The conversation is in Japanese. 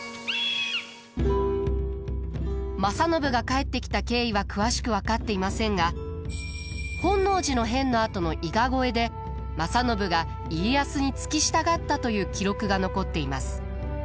正信が帰ってきた経緯は詳しく分かっていませんが本能寺の変のあとの伊賀越えで正信が家康に付き従ったという記録が残っています。